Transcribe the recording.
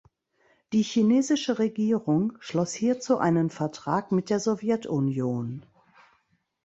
Die chinesische Regierung schloss hierzu einen Vertrag mit der Sowjetunion.